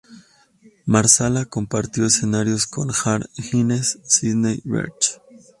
Marsala compartió escenarios con Earl Hines y Sidney Bechet.